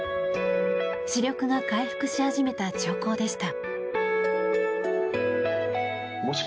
視力が回復し始めた兆候でした。